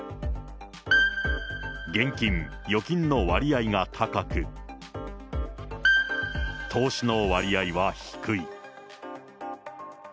現金、預金の割合が高く、投資の割合は低い。